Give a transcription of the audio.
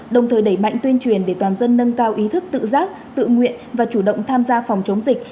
đồng thời đẩy mạnh tuyên truyền để toàn dân nâng cao ý thức tự giác tự nguyện và chủ động tham gia phòng chống dịch